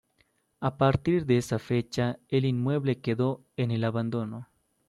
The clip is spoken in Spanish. A partir de esa fecha, el inmueble quedó en el abandono.